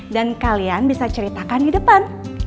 dan kalian bisa ceritakan di depan